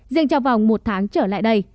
riêng trong vòng một tháng trở lại đây